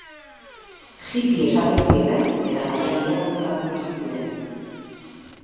Hippie esaten zieten eta jaialdiak antolatzen hasi ziren.